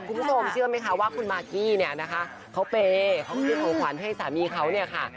คุณผู้ชมเชื่อไหมคะว่าคุณมากกี้เนี่ยนะคะเขาเปย์เขาซื้อของขวัญให้สามีเขาเนี่ยค่ะ